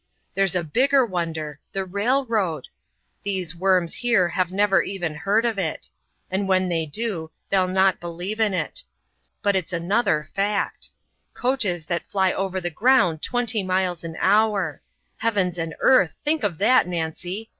There's a bigger wonder the railroad! These worms here have never even heard of it and when they do they'll not believe in it. But it's another fact. Coaches that fly over the ground twenty miles an hour heavens and earth, think of that, Nancy!